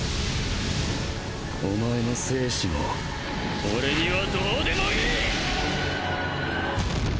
おまえの生死も俺にはどうでもいい！